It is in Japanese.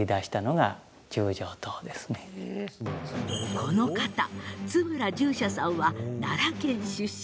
この方、津村重舎さんは奈良県出身